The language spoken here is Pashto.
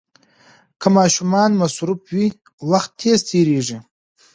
که ماشومان مصروف وي، وخت تېز تېریږي.